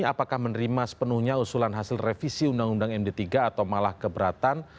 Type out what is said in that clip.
apakah menerima sepenuhnya usulan hasil revisi undang undang md tiga atau malah keberatan